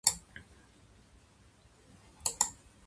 つまり、日本では新しい考えや説がなかなか受け入れられない。